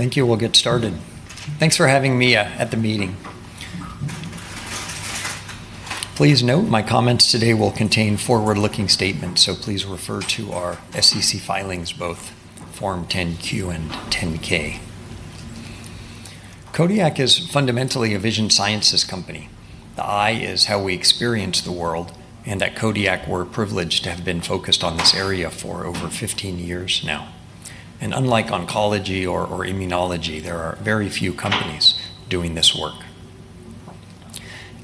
Thank you. We'll get started. Thanks for having me at the meeting. Please note my comments today will contain forward-looking statements, so please refer to our SEC filings, both Form 10-Q and 10-K. Kodiak is fundamentally a vision sciences company. The eye is how we experience the world, and at Kodiak, we're privileged to have been focused on this area for over 15 years now. Unlike oncology or immunology, there are very few companies doing this work.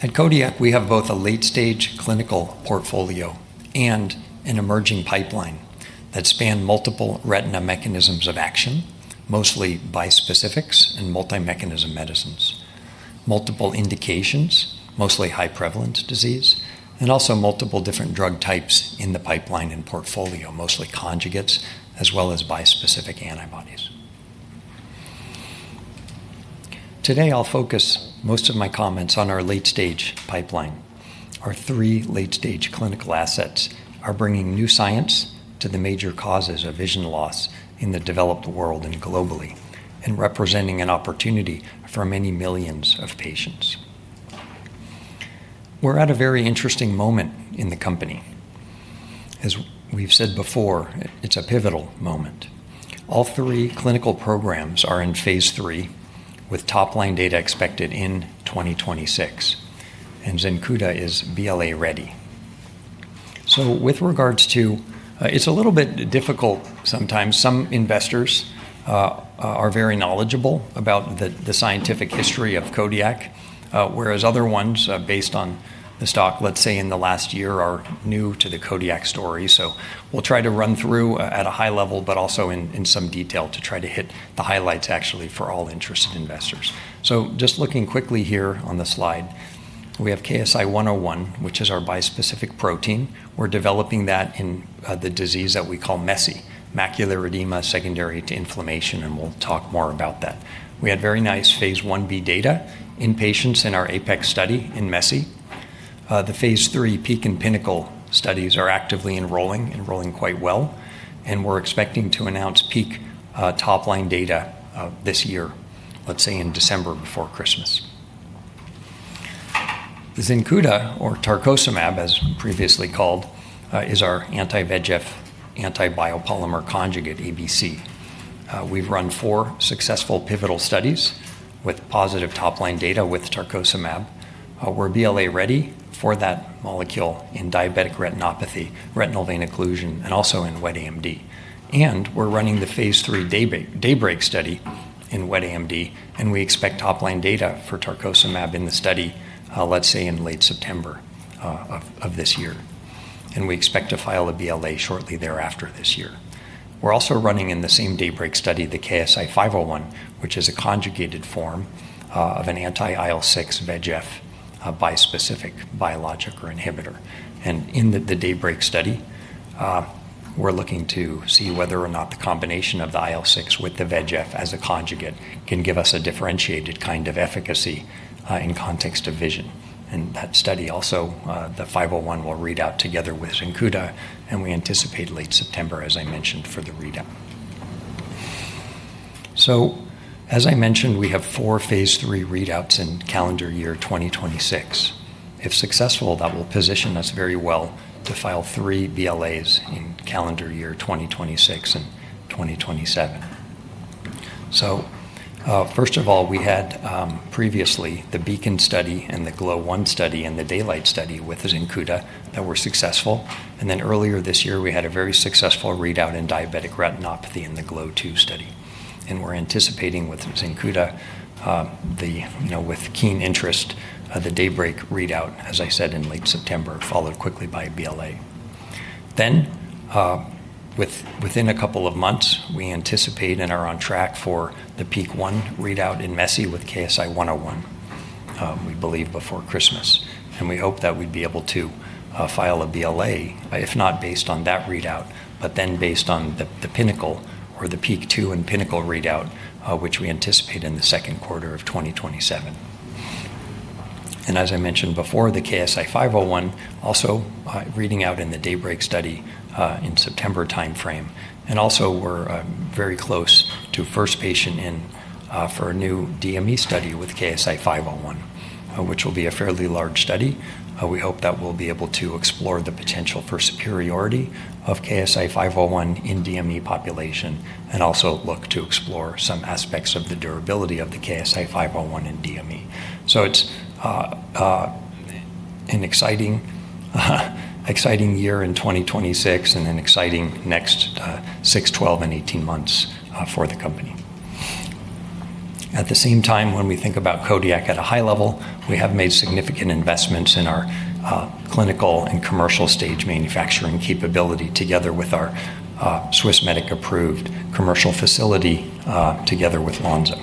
At Kodiak, we have both a late-stage clinical portfolio and an emerging pipeline that span multiple retina mechanisms of action, mostly bispecifics and multi-mechanism medicines. Multiple indications, mostly high prevalence disease, and also multiple different drug types in the pipeline and portfolio, mostly conjugates, as well as bispecific antibodies. Today, I'll focus most of my comments on our late-stage pipeline. Our three late-stage clinical assets are bringing new science to the major causes of vision loss in the developed world and globally, and representing an opportunity for many millions of patients. We're at a very interesting moment in the company. As we've said before, it's a pivotal moment. All three clinical programs are in phase III, with top-line data expected in 2026. Zenkuda is BLA-ready. It's a little bit difficult sometimes. Some investors are very knowledgeable about the scientific history of Kodiak, whereas other ones, based on the stock, let's say in the last year, are new to the Kodiak story. We'll try to run through at a high level, but also in some detail to try to hit the highlights actually for all interested investors. Just looking quickly here on the slide, we have KSI-101, which is our bispecific protein. We're developing that in the disease that we call MESI, macular edema secondary to inflammation, and we'll talk more about that. We had very nice phase I-B data in patients in our APEX study in MESI. The phase III PEAK and PINNACLE studies are actively enrolling quite well. We're expecting to announce PEAK top-line data this year, let's say in December before Christmas. The Zenkuda, or tarcocimab, as previously called, is our anti-VEGF, antibody biopolymer conjugate, ABC. We've run four successful pivotal studies with positive top-line data with tarcocimab. We're BLA-ready for that molecule in diabetic retinopathy, retinal vein occlusion, and also in wet AMD. We're running the phase III DAYBREAK study in wet AMD, and we expect top-line data for tarcocimab in the study, let's say in late September of this year. We expect to file a BLA shortly thereafter this year. We're also running in the same DAYBREAK study, the KSI-501, which is a conjugated form of an anti-IL-6 VEGF bispecific biologic or inhibitor. In the DAYBREAK study, we're looking to see whether or not the combination of the IL-6 with the VEGF as a conjugate can give us a differentiated kind of efficacy in context of vision. That study also, the 501 will read out together with Zenkuda, and we anticipate late September, as I mentioned, for the readout. As I mentioned, we have four phase III readouts in calendar year 2026. If successful, that will position us very well to file three BLAs in calendar year 2026 and 2027. First of all, we had previously the BEACON study and the GLOW 1 study and the DAYLIGHT study with Zenkuda that were successful. Earlier this year, we had a very successful readout in diabetic retinopathy in the GLOW 2 study. We're anticipating with Zenkuda with keen interest, the DAYBREAK readout, as I said, in late September, followed quickly by a BLA. Within a couple of months, we anticipate and are on track for the PEAK 1 readout in MESI with KSI-101, we believe before Christmas. We hope that we'd be able to file a BLA, if not based on that readout, but then based on the PINNACLE or the PEAK 2 and PINNACLE readout, which we anticipate in the second quarter of 2027. As I mentioned before, the KSI-501 also reading out in the DAYBREAK study in September timeframe. Also, we're very close to first patient in for a new DME study with KSI-501, which will be a fairly large study. We hope that we'll be able to explore the potential for superiority of KSI-501 in DME population, and also look to explore some aspects of the durability of the KSI-501 in DME. It's an exciting year in 2026 and an exciting next six, 12, and 18 months for the company. At the same time, when we think about Kodiak at a high level, we have made significant investments in our clinical and commercial stage manufacturing capability, together with our Swissmedic-approved commercial facility, together with Lonza.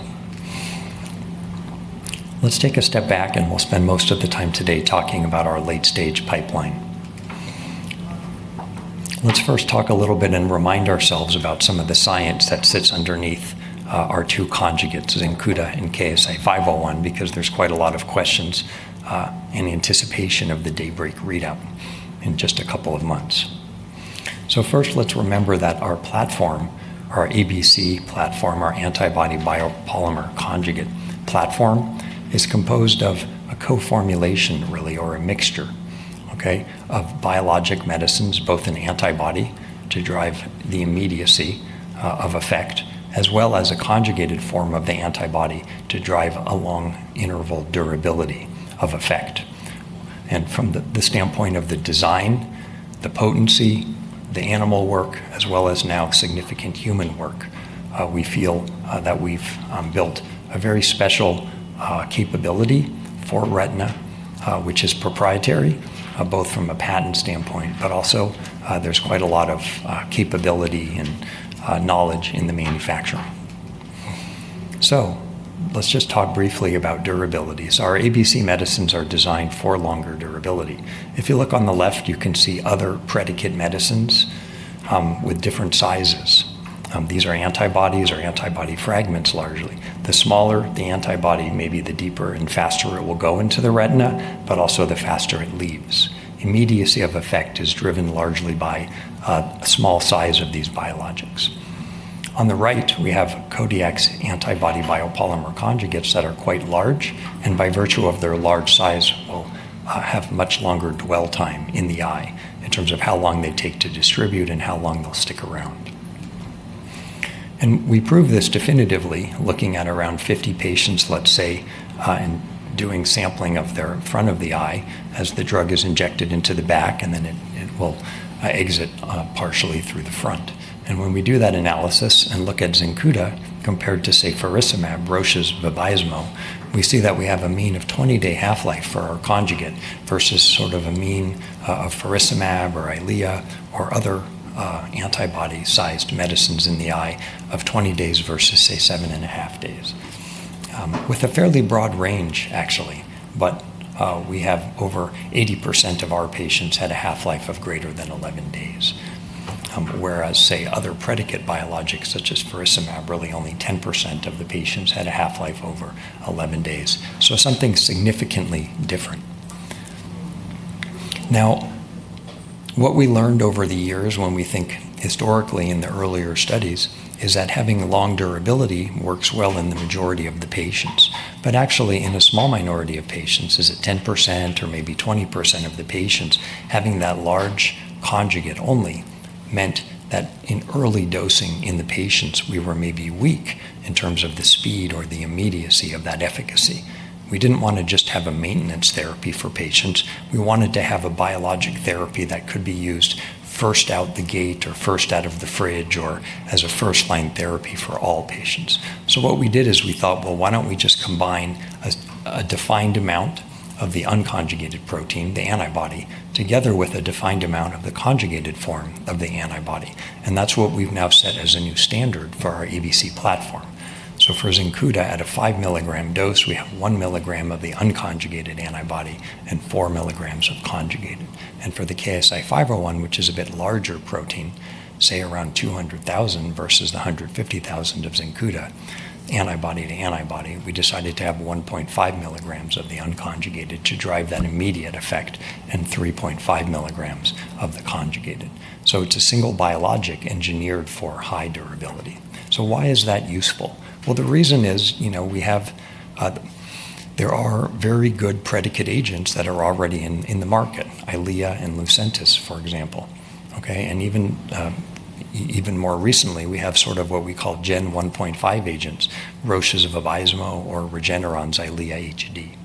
Let's take a step back and we'll spend most of the time today talking about our late-stage pipeline. Let's first talk a little bit and remind ourselves about some of the science that sits underneath our two conjugates, Zenkuda and KSI-501, because there's quite a lot of questions in anticipation of the DAYBREAK readout in just a couple of months. First, let's remember that our ABC Platform, our antibody biopolymer conjugate platform, is composed of a co-formulation, really, or a mixture, of biologic medicines, both an antibody to drive the immediacy of effect, as well as a conjugated form of the antibody to drive a long interval durability of effect. From the standpoint of the design, the potency, the animal work, as well as now significant human work, we feel that we've built a very special capability for retina, which is proprietary, both from a patent standpoint, but also there's quite a lot of capability and knowledge in the manufacturing. Let's just talk briefly about durability. Our ABC medicines are designed for longer durability. If you look on the left, you can see other predicate medicines with different sizes. These are antibodies or antibody fragments, largely. The smaller the antibody, maybe the deeper and faster it will go into the retina, but also the faster it leaves. Immediacy of effect is driven largely by a small size of these biologics. On the right, we have Kodiak's antibody biopolymer conjugates that are quite large, and by virtue of their large size, will have much longer dwell time in the eye in terms of how long they take to distribute and how long they'll stick around. We prove this definitively looking at around 50 patients, let's say, and doing sampling of their front of the eye as the drug is injected into the back, and then it will exit partially through the front. When we do that analysis and look at Zenkuda compared to, say, faricimab, Roche's Vabysmo, we see that we have a mean of 20-day half-life for our conjugate versus a mean of faricimab or EYLEA or other antibody-sized medicines in the eye of 20 days versus, say, seven and a half days. With a fairly broad range, actually, but we have over 80% of our patients had a half-life of greater than 11 days, whereas, say, other predicate biologics such as faricimab, really only 10% of the patients had a half-life over 11 days. Something significantly different. What we learned over the years when we think historically in the earlier studies is that having long durability works well in the majority of the patients. Actually, in a small minority of patients, is it 10% or maybe 20% of the patients, having that large conjugate only meant that in early dosing in the patients, we were maybe weak in terms of the speed or the immediacy of that efficacy. We didn't want to just have a maintenance therapy for patients. We wanted to have a biologic therapy that could be used first out the gate or first out of the fridge or as a first-line therapy for all patients. What we did is we thought, "Why don't we just combine a defined amount of the unconjugated protein, the antibody, together with a defined amount of the conjugated form of the antibody?" That's what we've now set as a new standard for our ABC Platform. For Zenkuda at a 5-milligram dose, we have one milligram of the unconjugated antibody and four milligrams of conjugated. For the KSI-501, which is a bit larger protein, say around 200,000 versus the 150,000 of Zenkuda antibody to antibody, we decided to have 1.5 milligrams of the unconjugated to drive that immediate effect and 3.5 milligrams of the conjugated. It's a single biologic engineered for high durability. Why is that useful? The reason is there are very good predicate agents that are already in the market, EYLEA and Lucentis, for example. Okay. Even more recently, we have what we call Gen 1.5 agents, Roche's Vabysmo or Regeneron's EYLEA HD.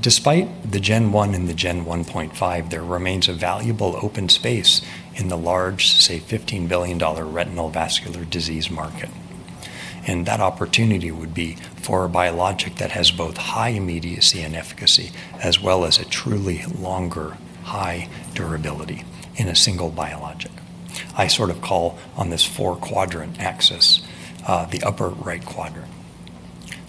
Despite the Gen 1 and the Gen 1.5, there remains a valuable open space in the large, say, $15 billion retinal vascular disease market. That opportunity would be for a biologic that has both high immediacy and efficacy, as well as a truly longer high durability in a single biologic. I call on this four-quadrant axis the upper right quadrant.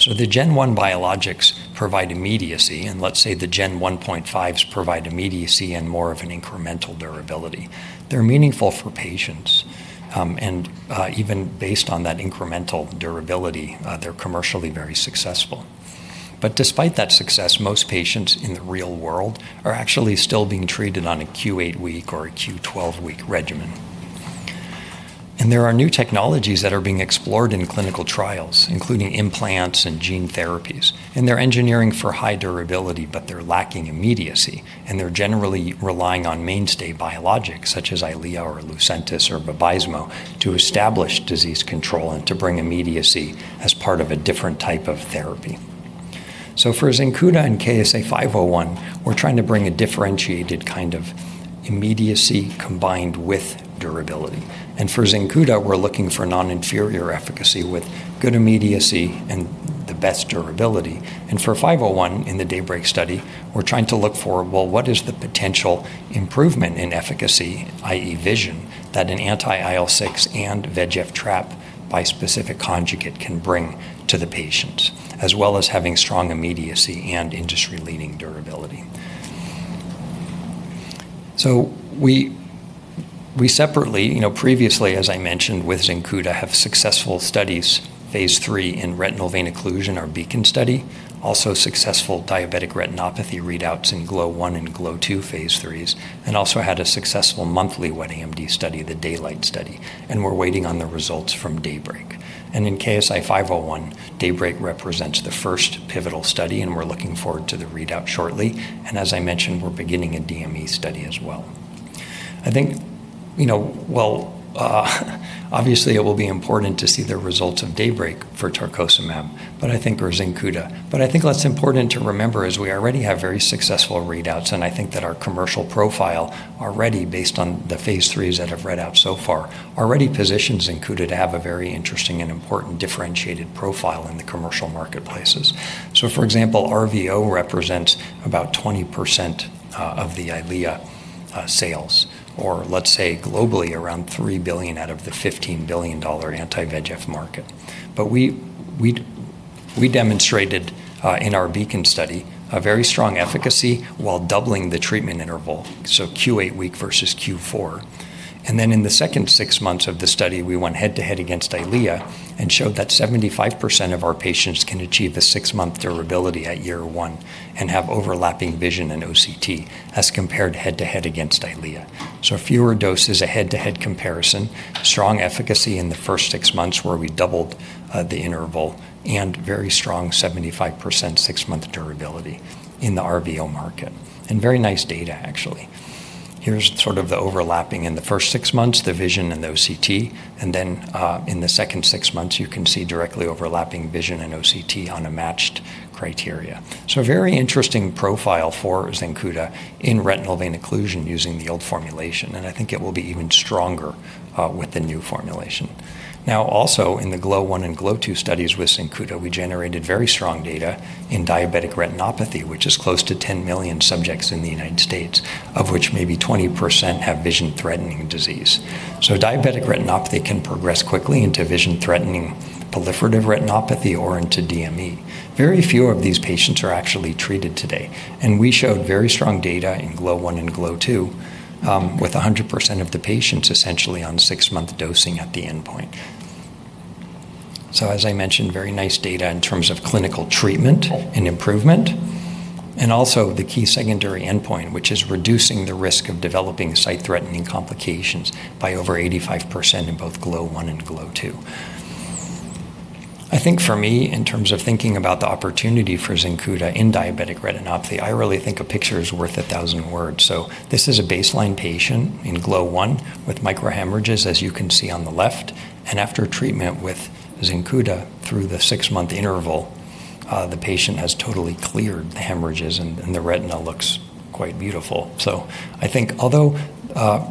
The Gen 1 biologics provide immediacy, and let's say the Gen 1.5s provide immediacy and more of an incremental durability. They're meaningful for patients. Even based on that incremental durability, they're commercially very successful. Despite that success, most patients in the real world are actually still being treated on a Q8 week or a Q12 week regimen. There are new technologies that are being explored in clinical trials, including implants and gene therapies. They're engineering for high durability, but they're lacking immediacy, and they're generally relying on mainstay biologics such as EYLEA or Lucentis or Vabysmo to establish disease control and to bring immediacy as part of a different type of therapy. For Zenkuda and KSI-501, we're trying to bring a differentiated kind of immediacy combined with durability. For Zenkuda, we're looking for non-inferior efficacy with good immediacy and the best durability. For 501 in the DAYBREAK study, we're trying to look for, well, what is the potential improvement in efficacy, i.e. vision, that an anti-IL-6 and VEGF trap bispecific conjugate can bring to the patient, as well as having strong immediacy and industry-leading durability. We separately, previously, as I mentioned with Zenkuda, have successful studies phase III in retinal vein occlusion, our BEACON study, also successful diabetic retinopathy readouts in GLOW 1 and GLOW 2 phase IIIs, and also had a successful monthly wet AMD study, the DAYBREAK study, and we're waiting on the results from DAYBREAK. In KSI-501, DAYBREAK represents the first pivotal study, and we're looking forward to the readout shortly. As I mentioned, we're beginning a DME study as well. I think, well, obviously it will be important to see the results of DAYBREAK for tarcocimab, or Zenkuda. I think what's important to remember is we already have very successful readouts, and I think that our commercial profile already, based on the phase III that have read out so far, already positions Zenkuda to have a very interesting and important differentiated profile in the commercial marketplaces. For example, RVO represents about 20% of the Eylea sales, or let's say globally, around $3 billion out of the $15 billion anti-VEGF market. We demonstrated in our BEACON study a very strong efficacy while doubling the treatment interval, so Q8-week versus Q4. In the second six months of the study, we went head to head against Eylea and showed that 75% of our patients can achieve a six-month durability at year one and have overlapping vision in OCT as compared head to head against Eylea. Fewer doses, a head to head comparison, strong efficacy in the first six months where we doubled the interval, very strong 75% six-month durability in the RVO market. Very nice data, actually. Here's the overlapping in the first six months, the vision in OCT, then in the second six months, you can see directly overlapping vision in OCT on a matched criteria. A very interesting profile for Zenkuda in retinal vein occlusion using the old formulation, and I think it will be even stronger with the new formulation. Also in the GLOW 1 and GLOW 2 studies with Zenkuda, we generated very strong data in diabetic retinopathy, which is close to 10 million subjects in the U.S., of which maybe 20% have vision-threatening disease. Diabetic retinopathy can progress quickly into vision-threatening proliferative retinopathy or into DME. Very few of these patients are actually treated today. We showed very strong data in GLOW 1 and GLOW 2, with 100% of the patients essentially on six-month dosing at the endpoint. As I mentioned, very nice data in terms of clinical treatment and improvement, and also the key secondary endpoint, which is reducing the risk of developing sight-threatening complications by over 85% in both GLOW 1 and GLOW 2. I think for me, in terms of thinking about the opportunity for Zenkuda in diabetic retinopathy, I really think a picture is worth a thousand words. This is a baseline patient in GLOW 1 with microhemorrhages, as you can see on the left. After treatment with Zenkuda through the six-month interval, the patient has totally cleared the hemorrhages, and the retina looks quite beautiful. I think although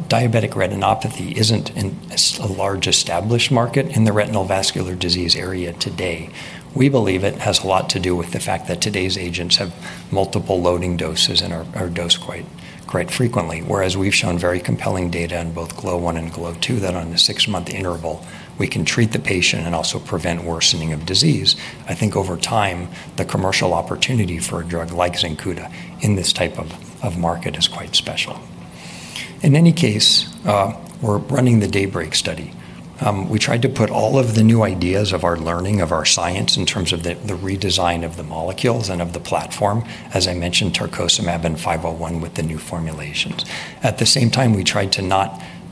diabetic retinopathy isn't a large established market in the retinal vascular disease area today, we believe it has a lot to do with the fact that today's agents have multiple loading doses and are dosed quite frequently. Whereas we've shown very compelling data in both GLOW 1 and GLOW 2 that on the six-month interval, we can treat the patient and also prevent worsening of disease. I think over time, the commercial opportunity for a drug like Zenkuda in this type of market is quite special. In any case, we're running the DAYBREAK study. We tried to put all of the new ideas of our learning, of our science in terms of the redesign of the molecules and of the platform, as I mentioned, tarcocimab and 501 with the new formulations. At the same time, we tried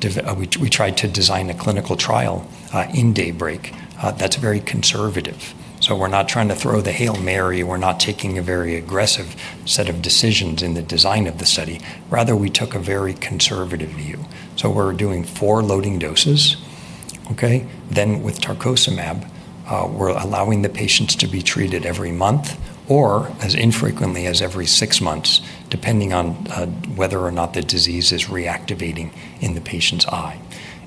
to design a clinical trial in DAYBREAK that's very conservative. We're not trying to throw the Hail Mary. We're not taking a very aggressive set of decisions in the design of the study. Rather, we took a very conservative view. We're doing four loading doses. Okay? With tarcocimab, we're allowing the patients to be treated every month or as infrequently as every six months, depending on whether or not the disease is reactivating in the patient's eye.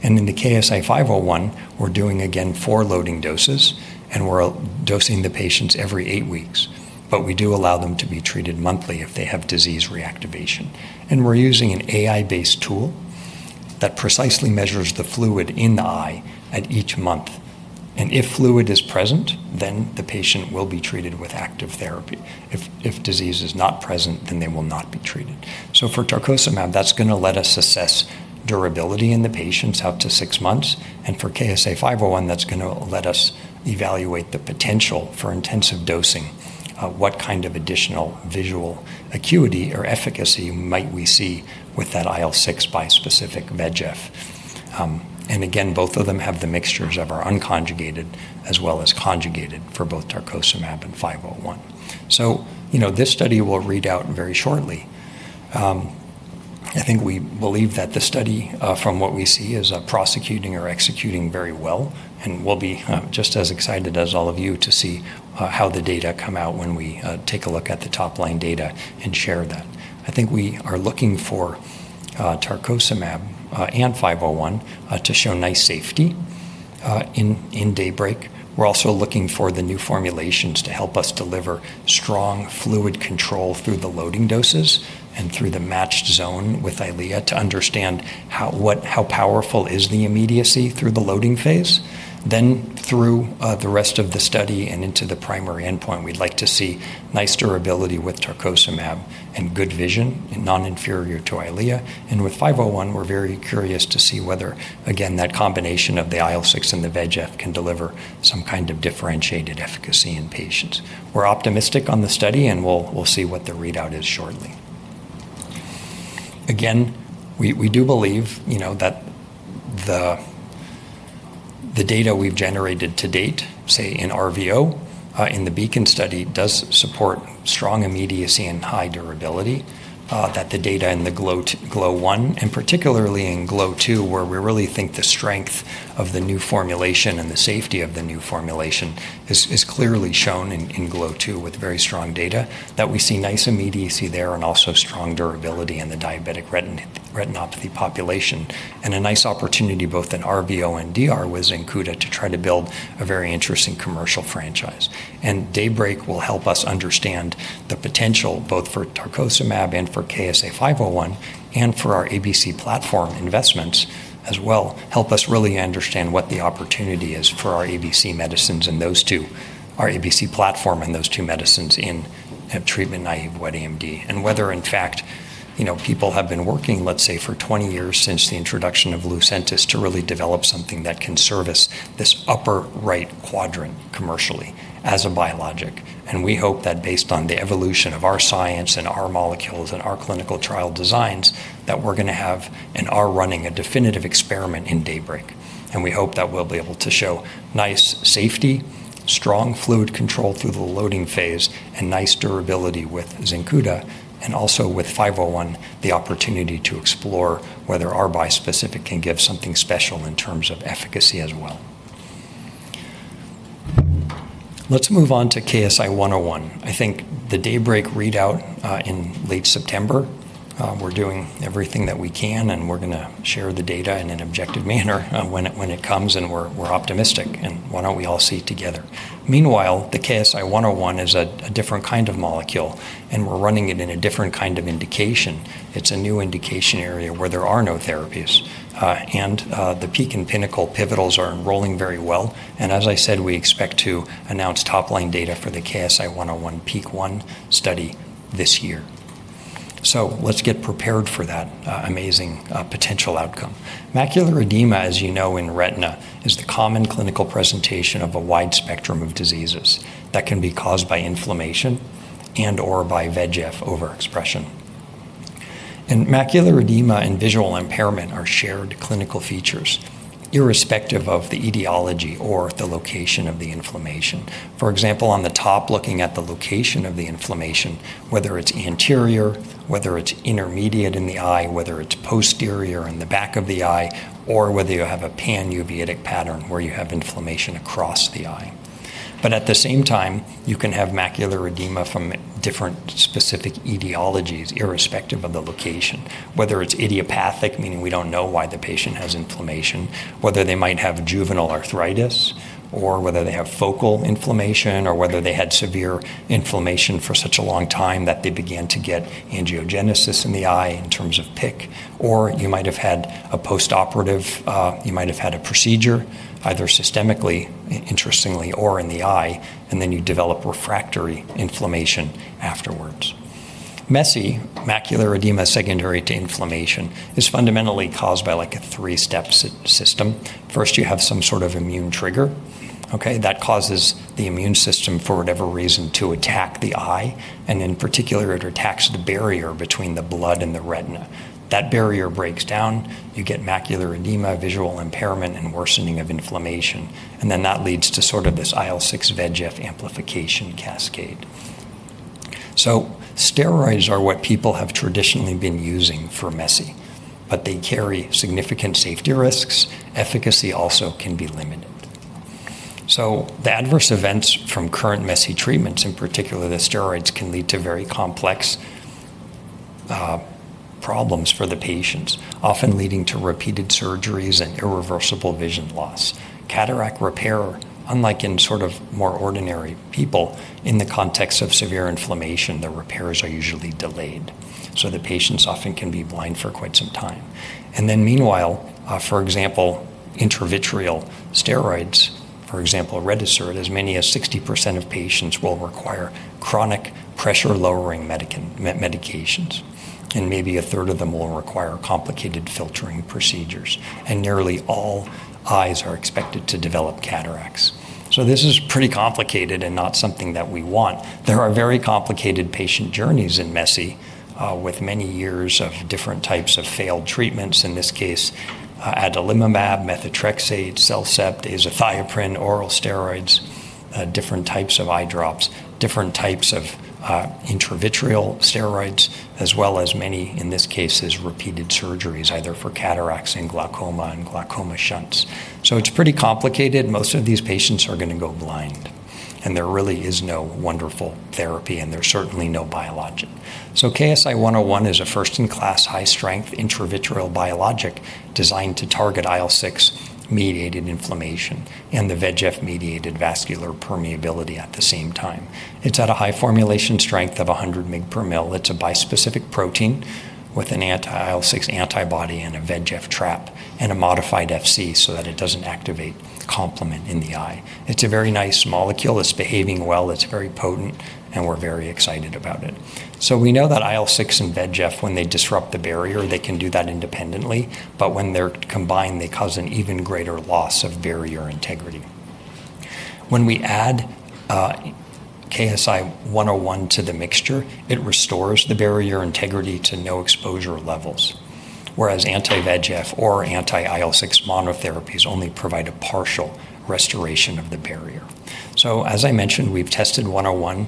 In the KSI-501, we're doing, again, four loading doses, and we're dosing the patients every eight weeks. We do allow them to be treated monthly if they have disease reactivation. We're using an AI-based tool that precisely measures the fluid in the eye at each month. If fluid is present, the patient will be treated with active therapy. If disease is not present, then they will not be treated. For tarcocimab, that's going to let us assess durability in the patients up to six months. For KSI-501, that's going to let us evaluate the potential for intensive dosing. What kind of additional visual acuity or efficacy might we see with that IL-6 bispecific VEGF? Again, both of them have the mixtures of our unconjugated as well as conjugated for both tarcocimab and 501. This study will read out very shortly. I think we believe that the study, from what we see, is prosecuting or executing very well, and we'll be just as excited as all of you to see how the data come out when we take a look at the top-line data and share that. I think we are looking for tarcocimab and 501 to show nice safety in DAYBREAK. We're also looking for the new formulations to help us deliver strong fluid control through the loading doses and through the matched zone with Eylea to understand how powerful is the immediacy through the loading phase. Through the rest of the study and into the primary endpoint, we'd like to see nice durability with tarcocimab and good vision, non-inferior to Eylea. With 501, we're very curious to see whether, again, that combination of the IL-6 and the VEGF can deliver some kind of differentiated efficacy in patients. We're optimistic on the study, and we'll see what the readout is shortly. Again, we do believe that the data we've generated to date, say in RVO, in the BEACON study, does support strong immediacy and high durability, that the data in the GLOW 1, and particularly in GLOW 2, where we really think the strength of the new formulation and the safety of the new formulation is clearly shown in GLOW 2 with very strong data, that we see nice immediacy there and also strong durability in the diabetic retinopathy population, and a nice opportunity both in RVO and DR with Zenkuda to try to build a very interesting commercial franchise. DAYBREAK will help us understand the potential, both for tarcocimab and for KSI-501, and for our ABC Platform investments as well, help us really understand what the opportunity is for our ABC medicines and those two, our ABC Platform and those two medicines in treatment-naive wet AMD. Whether, in fact, people have been working, let's say, for 20 years since the introduction of Lucentis to really develop something that can service this upper right quadrant commercially as a biologic. We hope that based on the evolution of our science and our molecules and our clinical trial designs, that we're going to have and are running a definitive experiment in DAYBREAK. We hope that we'll be able to show nice safety, strong fluid control through the loading phase, and nice durability with Zenkuda, and also with 501, the opportunity to explore whether our bispecific can give something special in terms of efficacy as well. Let's move on to KSI-101. I think the DAYBREAK readout in late September, we're doing everything that we can, we're going to share the data in an objective manner when it comes, we're optimistic, why don't we all see together? Meanwhile, the KSI-101 is a different kind of molecule, we're running it in a different kind of indication. It's a new indication area where there are no therapies. The PEAK and PINNACLE pivotals are enrolling very well. As I said, we expect to announce top-line data for the KSI-101 PEAK 1 study this year. Let's get prepared for that amazing potential outcome. Macular edema, as you know, in retina, is the common clinical presentation of a wide spectrum of diseases that can be caused by inflammation and/or by VEGF overexpression. Macular edema and visual impairment are shared clinical features irrespective of the etiology or the location of the inflammation. For example, on the top, looking at the location of the inflammation, whether it's anterior, whether it's intermediate in the eye, whether it's posterior in the back of the eye, or whether you have a panuveitic pattern where you have inflammation across the eye. At the same time, you can have macular edema from different specific etiologies irrespective of the location. Whether it's idiopathic, meaning we don't know why the patient has inflammation, whether they might have juvenile arthritis, or whether they have focal inflammation, or whether they had severe inflammation for such a long time that they began to get angiogenesis in the eye in terms of PIC, or you might have had a post-operative, you might have had a procedure, either systemically, interestingly, or in the eye, and then you develop refractory inflammation afterwards. MASI, macular edema secondary to inflammation, is fundamentally caused by a three-step system. First, you have some sort of immune trigger. Okay? That causes the immune system, for whatever reason, to attack the eye, and in particular, it attacks the barrier between the blood and the retina. That barrier breaks down, you get macular edema, visual impairment, and worsening of inflammation, and then that leads to this IL-6 VEGF amplification cascade. Steroids are what people have traditionally been using for MESI, but they carry significant safety risks. Efficacy also can be limited. The adverse events from current MESI treatments, in particular the steroids, can lead to very complex problems for the patients, often leading to repeated surgeries and irreversible vision loss. Cataract repair, unlike in more ordinary people, in the context of severe inflammation, the repairs are usually delayed. The patients often can be blind for quite some time. Meanwhile, for example, intravitreal steroids, for example, RETISERT, as many as 60% of patients will require chronic pressure-lowering medications, and maybe a third of them will require complicated filtering procedures. Nearly all eyes are expected to develop cataracts. This is pretty complicated and not something that we want. There are very complicated patient journeys in MESI with many years of different types of failed treatments, in this case, adalimumab, methotrexate, CellCept, azathioprine, oral steroids, different types of eye drops, different types of intravitreal steroids, as well as many, in this case, repeated surgeries, either for cataracts and glaucoma and glaucoma shunts. It's pretty complicated. Most of these patients are going to go blind, and there really is no wonderful therapy, and there's certainly no biologic. KSI-101 is a first-in-class, high-strength intravitreal biologic designed to target IL-6-mediated inflammation and the VEGF-mediated vascular permeability at the same time. It's at a high formulation strength of 100 mg per mL. It's a bispecific protein with an anti-IL-6 antibody and a VEGF trap and a modified Fc so that it doesn't activate the complement in the eye. It's a very nice molecule. It's behaving well. It's very potent, and we're very excited about it. We know that IL-6 and VEGF, when they disrupt the barrier, they can do that independently, but when they're combined, they cause an even greater loss of barrier integrity. When we add KSI-101 to the mixture, it restores the barrier integrity to no exposure levels, whereas anti-VEGF or anti-IL-6 monotherapies only provide a partial restoration of the barrier. As I mentioned, we've tested 101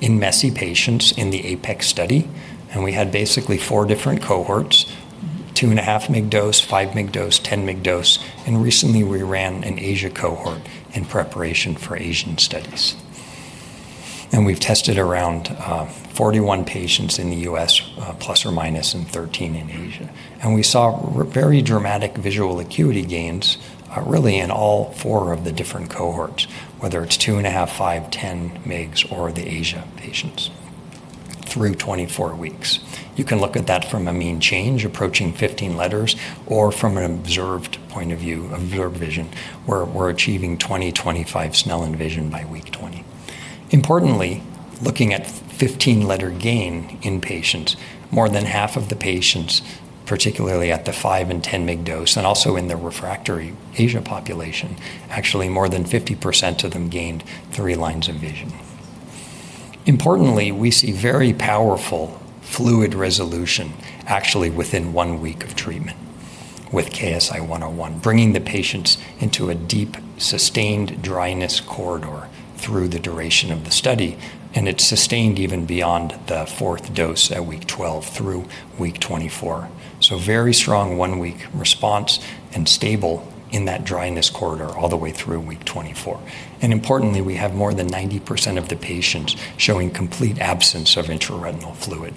in MESI patients in the APEX study, and we had basically four different cohorts: 2.5 mg dose, 5 mg dose, 10 mg dose. Recently we ran an Asia cohort in preparation for Asian studies. We've tested around 41 patients in the U.S., plus or minus, and 13 in Asia. We saw very dramatic visual acuity gains, really in all four of the different cohorts, whether it's 2.5, 10 mg or the Asia patients through 24 weeks. You can look at that from a mean change approaching 15 letters or from an observed point of view, observed vision, where we're achieving 20/25 Snellen vision by week 20. Importantly, looking at 15 letter gain in patients, more than half of the patients, particularly at the 5 and 10 mg dose and also in the refractory Asia population, actually more than 50% of them gained three lines of vision. Importantly, we see very powerful fluid resolution actually within one week of treatment with KSI-101, bringing the patients into a deep, sustained dryness corridor through the duration of the study, and it's sustained even beyond the fourth dose at week 12 through week 24. Very strong one-week response and stable in that dryness corridor all the way through week 24. Importantly, we have more than 90% of the patients showing complete absence of intraretinal fluid.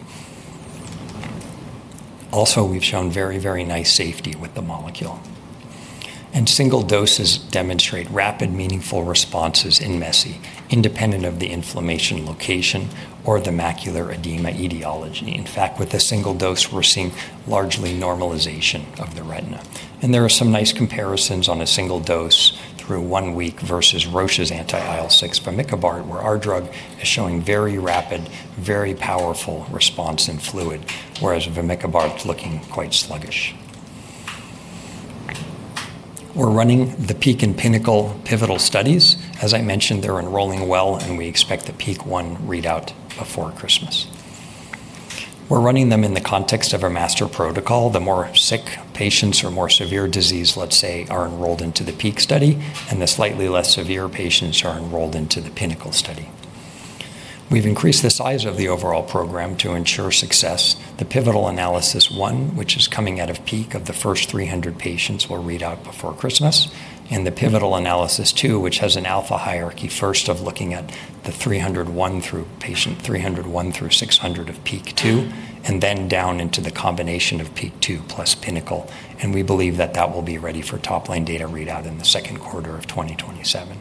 Also, we've shown very nice safety with the molecule. Single doses demonstrate rapid, meaningful responses in MESI, independent of the inflammation location or the macular edema etiology. In fact, with a single dose, we're seeing largely normalization of the retina. There are some nice comparisons on a single dose through one week versus Roche's anti-IL-6 vamikibart, where our drug is showing very rapid, very powerful response in fluid, whereas vamikibart is looking quite sluggish. We're running the PEAK and PINNACLE pivotal studies. As I mentioned, they're enrolling well, and we expect the PEAK1 readout before Christmas. We're running them in the context of our master protocol. The more sick patients or more severe disease, let's say, are enrolled into the PEAK study, and the slightly less severe patients are enrolled into the PINNACLE study. We've increased the size of the overall program to ensure success. The pivotal analysis one, which is coming out of PEAK of the first 300 patients, will read out before Christmas. The pivotal analysis two, which has an alpha hierarchy first of looking at the patient 301 through 600 of PEAK two, and then down into the combination of PEAK two plus PINNACLE. We believe that that will be ready for top-line data readout in the second quarter of 2027.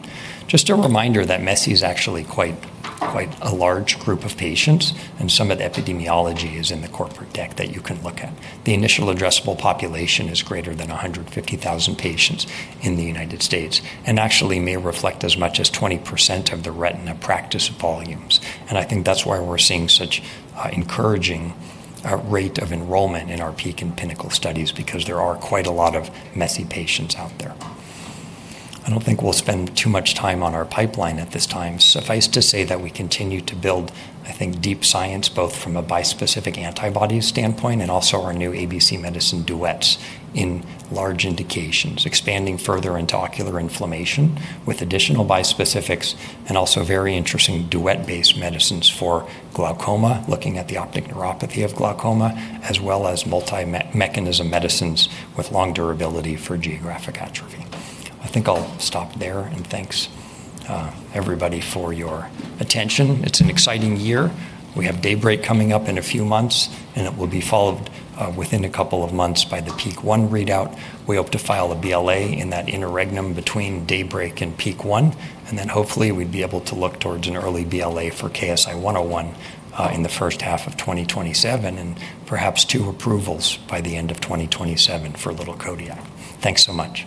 Just a reminder that MESI is actually quite a large group of patients, and some of the epidemiology is in the corporate deck that you can look at. The initial addressable population is greater than 150,000 patients in the United States and actually may reflect as much as 20% of the retina practice volumes. I think that's why we're seeing such encouraging rate of enrollment in our PEAK and PINNACLE studies because there are quite a lot of messy patients out there. I don't think we'll spend too much time on our pipeline at this time. Suffice to say that we continue to build, I think, deep science, both from a bispecific antibody standpoint and also our new ABC medicine duets in large indications, expanding further into ocular inflammation with additional bispecifics and also very interesting duet-based medicines for glaucoma, looking at the optic neuropathy of glaucoma, as well as multi-mechanism medicines with long durability for geographic atrophy. I think I'll stop there, and thanks everybody for your attention. It's an exciting year. We have DAYBREAK coming up in a few months. It will be followed within a couple of months by the PEAK1 readout. We hope to file a BLA in that interregnum between DAYBREAK and PEAK1. Hopefully we'd be able to look towards an early BLA for KSI-101 in the first half of 2027 and perhaps two approvals by the end of 2027 for Little Kodiak. Thanks so much